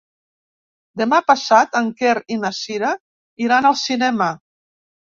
Demà passat en Quer i na Cira iran al cinema.